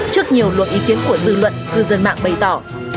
trước nhiều luồng ý kiến của dư luận cư dân mạng bày tỏ